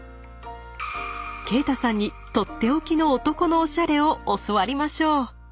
啓太さんに取って置きの男のおしゃれを教わりましょう。